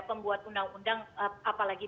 pembuat undang undang apalagi